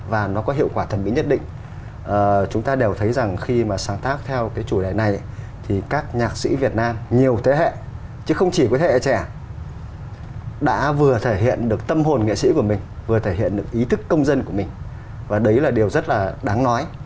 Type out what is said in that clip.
và nó có hiệu quả thẩm mỹ nhất định chúng ta đều thấy rằng khi mà sáng tác theo cái chủ đề này thì các nhạc sĩ việt nam nhiều thế hệ chứ không chỉ có thế hệ trẻ đã vừa thể hiện được tâm hồn nghệ sĩ của mình vừa thể hiện được ý thức công dân của mình và đấy là điều rất là đáng nói